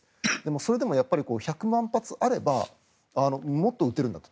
それでも１００万発あればもっと撃てるんだと。